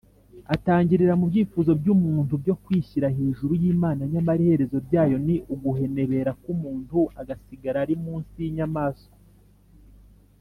atangirira mu byifuzo by’umuntu byo kwishyira hejuru y’imana, nyamara iherezo ryayo ni uguhenebera k’umuntu agasigara ari munsi y’inyamaswa